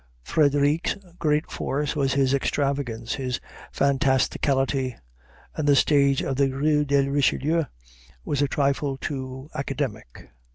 Frédéric's great force was his extravagance, his fantasticality; and the stage of the Rue de Richelieu was a trifle too academic.